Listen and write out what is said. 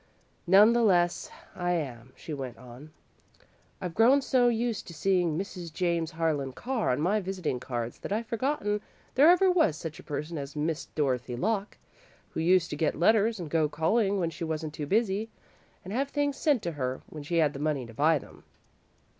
"None the less, I am," she went on. "I've grown so used to seeing 'Mrs. James Harlan Carr' on my visiting cards that I've forgotten there ever was such a person as 'Miss Dorothy Locke,' who used to get letters, and go calling when she wasn't too busy, and have things sent to her when she had the money to buy them."